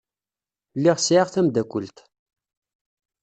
Lliɣ sɛiɣ tamdakelt.